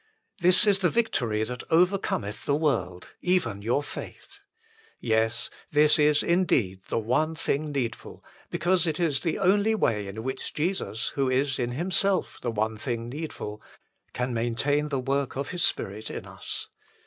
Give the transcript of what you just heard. " This is the victory that overcometh the world, even your faith." 2 Yes : this is indeed " the one thing needful," because it is the only way in which Jesus, who is in Himself " The One Thing Needful," can maintain the work of His Spirit in us.